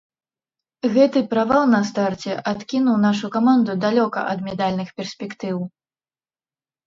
Гэты правал на старце адкінуў нашу каманду далёка ад медальных перспектыў.